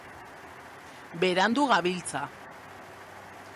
Berandu gabiltza.